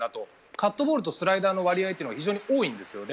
カットボールとスライダーの割合が非常に多いんですよね。